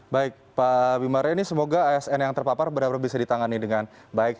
baik pak bima reni semoga asn yang terpapar benar benar bisa ditangani dengan baik